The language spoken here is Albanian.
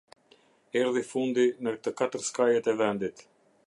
Erdhi fundi në të katër skajet e vendit.